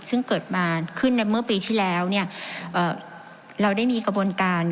ซึ่งเกิดขึ้นในเมื่อปีที่แล้วเนี่ยเราได้มีกระบวนการ